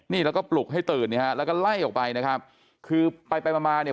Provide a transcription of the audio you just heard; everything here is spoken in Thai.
นี่แล้วก็ปลุกให้ตื่นเนี่ยฮะแล้วก็ไล่ออกไปนะครับคือไปไปมามาเนี่ย